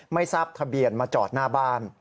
ไม่ทราบทะเบียนมาจอดหน้าบ้าน